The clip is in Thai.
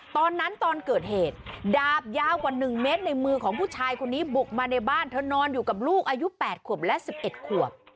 ตอนนั้นตอนเกิดเหตุดาบยาวกว่าหนึ่งเมตรในมือของผู้ชายคนนี้บุกมาในบ้านเธอนอนอยู่กับลูกอายุแปดขวบและสิบเอ็ดขวบ